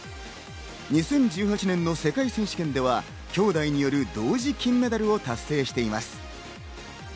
２０１８年の世界選手権ではきょうだいによる同時金メダルを達成しています。